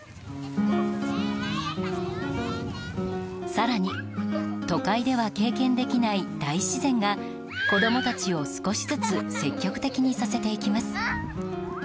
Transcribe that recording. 更に都会では経験できない大自然が子供たちを少しずつ積極的にさせていきます。